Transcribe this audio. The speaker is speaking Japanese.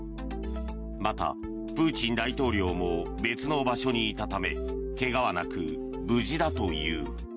また、プーチン大統領も別の場所にいたため怪我はなく、無事だという。